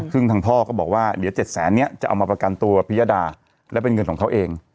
ซึ่งทางพ่อก็บอกว่าเดี๋ยว๗แสนเนี่ยจะเอามาประกันตัวพิยดาและเป็นเงินของเขาเอง